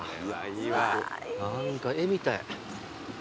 何か絵みたい。